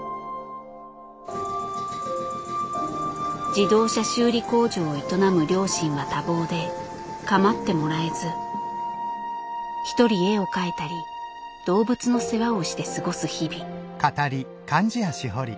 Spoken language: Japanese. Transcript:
自動車修理工場を営む両親は多忙でかまってもらえず一人絵を描いたり動物の世話をして過ごす日々。